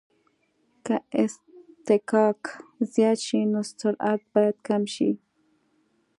که اصطکاک زیات شي نو سرعت باید کم شي